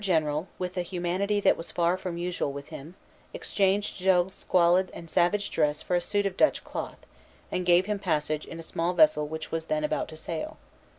The Director General, with a humanity that was far from usual with him, exchanged Jogues's squalid and savage dress for a suit of Dutch cloth, and gave him passage in a small vessel which was then about to sail.